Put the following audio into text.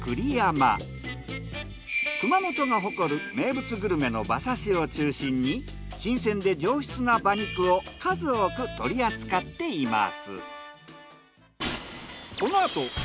熊本が誇る名物グルメの馬刺しを中心に新鮮で上質な馬肉を数多く取り扱っています。